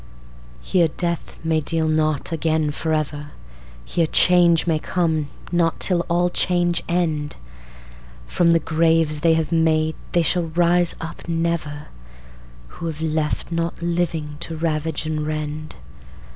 Here death may deal not again forever; Here change may come not till all change end. From the graves they have made they shall rise up never, Who have left nought living to ravage and rend.